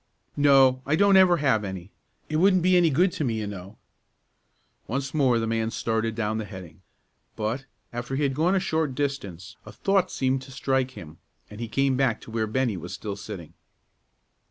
"No; I don't ever have any. It wouldn't be any good to me, you know." Once more the man started down the heading, but, after he had gone a short distance, a thought seemed to strike him, and he came back to where Bennie was still sitting.